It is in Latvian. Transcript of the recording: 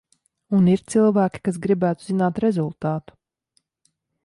Un ir cilvēki, kas gribētu zināt rezultātu.